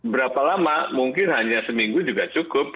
berapa lama mungkin hanya seminggu juga cukup